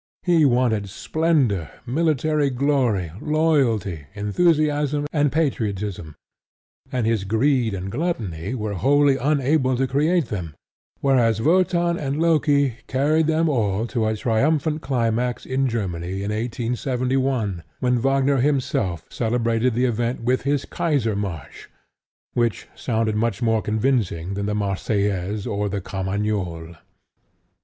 He wanted splendor, military glory, loyalty, enthusiasm, and patriotism; and his greed and gluttony were wholly unable to create them, whereas Wotan and Loki carried them all to a triumphant climax in Germany in 1871, when Wagner himself celebrated the event with his Kaisermarsch, which sounded much more convincing than the Marseillaise or the Carmagnole.